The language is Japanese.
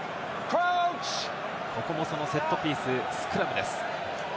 ここもそのセットピース、スクラムです。